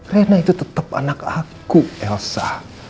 reina itu tetep anak aku elsa